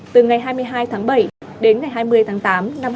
từ ngày hai mươi hai tháng bảy đến ngày hai mươi tháng tám năm hai nghìn hai mươi